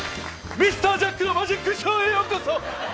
ミスタージャックのマジックショーへ、ようこそ。